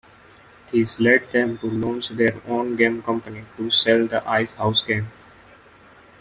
This led them to launch their own game company to sell the IceHouse game.